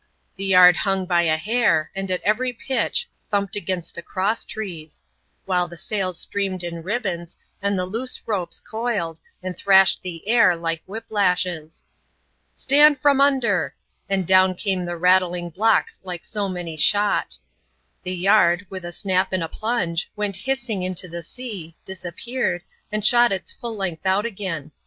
The yard hung by a hair, and at every pitch, thumped against the cross trees ; while the sails streamed in ribbons, and the loose ropes coiled, and thrashed the air, like whip lashes. " Stand from under P and down came the rattling blocks like so many shot. The yard, with a snap and a plunge, went hissing into the sea, disappeared, and shot its full length out again.